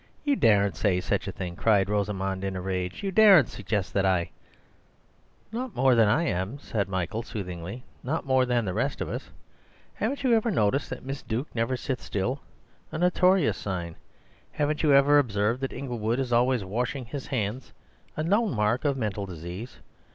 "You daren't say such a thing!" cried Rosamund in a rage. "You daren't suggest that I—" "Not more than I am," said Michael soothingly; "not more than the rest of us. Haven't you ever noticed that Miss Duke never sits still—a notorious sign? Haven't you ever observed that Inglewood is always washing his hands— a known mark of mental disease?